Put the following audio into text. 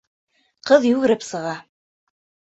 Ҡыҙ йүгереп сыға.